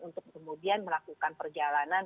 untuk kemudian melakukan perjalanan